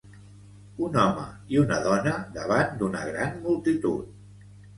Un home i una dona davant d'una gran multitud.